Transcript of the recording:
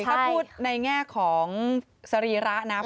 ถ้าพูดในแง่ของสรีระนะ